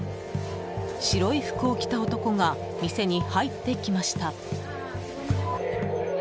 白い服を着た男が店に入ってきました。